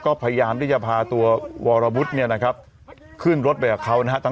ก็พยายามที่จะพาตัววรวุฒิเนี่ยนะครับขึ้นรถไปกับเขานะฮะ